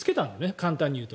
簡単に言うと。